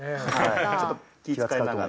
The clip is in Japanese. ちょっと気ぃ使いながら。